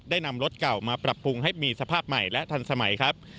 นำรถเก่ามาปรับปรุงให้มีสภาพใหม่และทันสมัยครับ